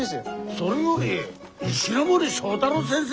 それより石森章太郎先生だべ！